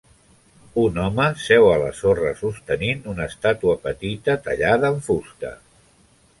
Un home seu a la sorra sostenint una estàtua petita tallada en fusta.